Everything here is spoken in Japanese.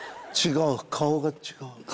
違う顔が違う。